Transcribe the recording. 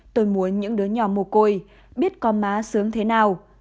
tôi muốn những đứa nhỏ mồ côi biết có má sướng thế nào